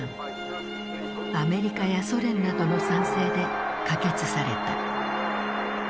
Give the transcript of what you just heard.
アメリカやソ連などの賛成で可決された。